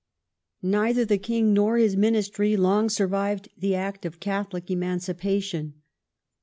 ^ Death of Neither the King nor his Ministry long survived the Act of George Catholic Emancipation.